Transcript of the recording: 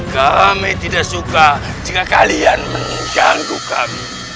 kami tidak suka jika kalian mengganggu kami